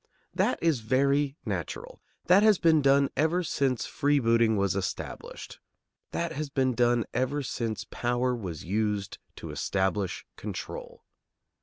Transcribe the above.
That is very natural. That has been done ever since freebooting was established. That has been done ever since power was used to establish control.